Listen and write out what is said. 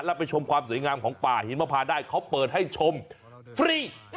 แล้วไปชมความสวยงามของป่าหิมพาได้เขาเปิดให้ชมฟรี